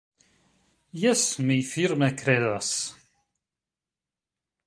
Jes, mi firme kredas.